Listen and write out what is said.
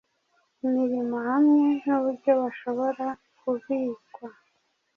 imirimohamwe nuburyo bashobora kubikwa